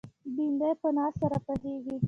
بېنډۍ په ناز سره پخېږي